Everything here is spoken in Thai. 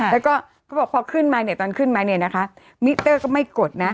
แล้วก็เขาบอกพอขึ้นมาเนี่ยตอนขึ้นมาเนี่ยนะคะมิเตอร์ก็ไม่กดนะ